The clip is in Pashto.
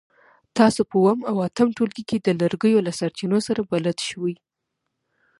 تاسو په اووم او اتم ټولګي کې د لرګیو له سرچینو سره بلد شوي.